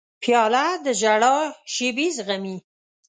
پیاله د ژړا شېبې زغمي.